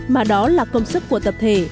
mà đó là công sức của tập thể